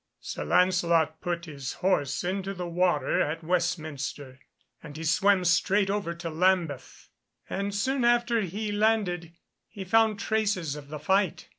Sir Lancelot put his horse into the water at Westminster, and he swam straight over to Lambeth, and soon after he landed he found traces of the fight.